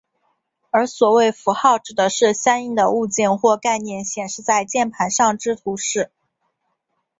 而所谓符号指的是相应的物件或概念显示在键盘上之图示。